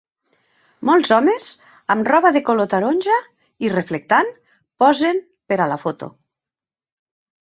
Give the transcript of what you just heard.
Molts homes amb roba de color taronja i reflectant posen per a la foto.